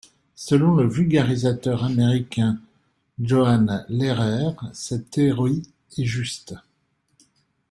Selon le vulgarisateur américain Jonah Lehrer, cette théorie est juste.